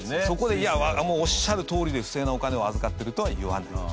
そこで「もうおっしゃるとおりで不正なお金を預かってる」とは言わない。